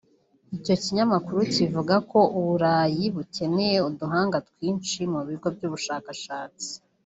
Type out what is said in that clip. Icyo kinyamakuru kivuga ko u Burayi bukeneye uduhanga twinshi mu bigo by’ubushakashatsi